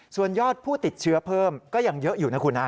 ส่วนยอดผู้ติดเชื้อเพิ่มก็ยังเยอะอยู่นะคุณนะ